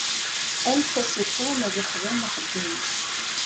Anef-as i Tom ad ixdem axeddim-is.